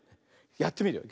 やってみるよ。